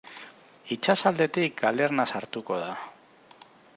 Itsasaldetik galerna sartuko da.